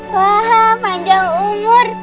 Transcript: wah panjang umur